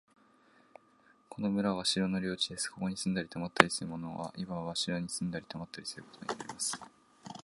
この村は城の領地です。ここに住んだり泊ったりする者は、いわば城に住んだり泊ったりすることになります。